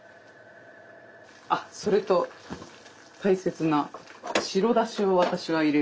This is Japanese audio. あそれと大切な白だしを私は入れるんです。